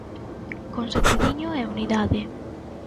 "Con sentidiño e unidade".